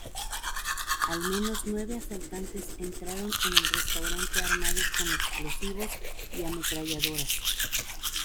Al menos nueve asaltantes entraron en el restaurante armados con explosivos y ametralladoras.